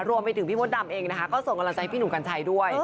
รวมไปถึงพี่มดดำเองนะคะก็ส่งกำลังใจให้พี่หนุ่มกัญชัยด้วย